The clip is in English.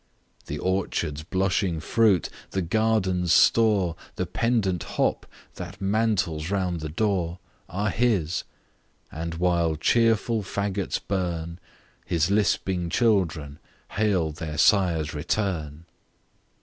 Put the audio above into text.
The orchard's blushing fruit, the garden's store, The pendant hop, that mantles round the door, Are his: and while cheerful faggots burn, "His lisping children hail their site's return."